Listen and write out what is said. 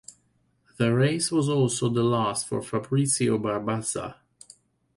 The race was also the last for Fabrizio Barbazza.